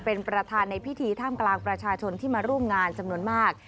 เป็นประธานในพิธีท่ามกลางประชาชนที่มาร่วมงานจำนวนมาก